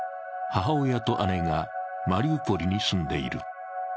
母親と姉がマリウポリに住んでいる。